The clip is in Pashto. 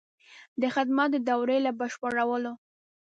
د خدمت د دورې له بشپړولو.